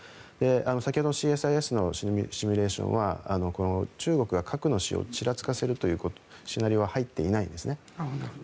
先ほどＣＳＩＳのシミュレーションは中国が核の使用をちらつかせるシナリオは入っていないんですね。